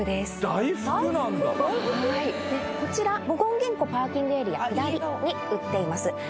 大福なんだこちら権現湖パーキングエリア下りに売っています